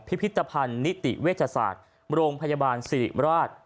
พิพิธภัณฑ์นิติเวชศาสตร์โรงพยาบาลสิริราช